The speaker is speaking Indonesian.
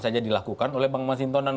saja dilakukan oleh pak masintun dan